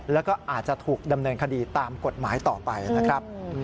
แล้วก็อาจจะถูกดำเนินคดีตามกฎหมายต่อไปนะครับ